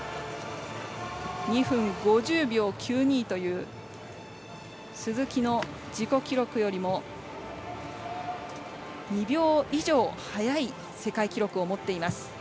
２分５０秒９２という鈴木の自己記録よりも２秒以上早い世界記録を持っています。